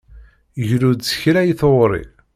Glu-d s kra i tɣuri.